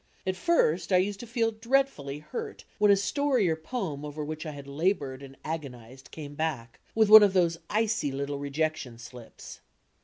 At first I used to feel dreadfully hurt when a story or poem over which I had laboured and agonized came back, with one of those icy litde rejection slips.